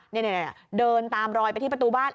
นี่เดินตามรอยไปที่ประตูบ้าน